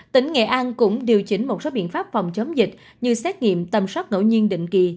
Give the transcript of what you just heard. tỉnh nghệ an cũng điều chỉnh một số biện pháp phòng chống dịch như xét nghiệm tầm soát ngẫu nhiên định kỳ